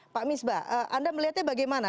pak misbah anda melihatnya bagaimana